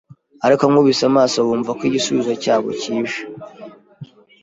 ariko ankubise amaso bumva ko igisubizo cyabo cyije.